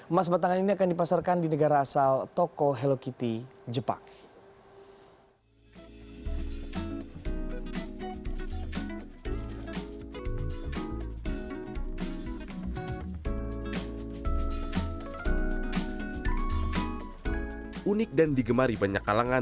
emas batangan ini akan dipasarkan di negara asal toko hello kitty jepang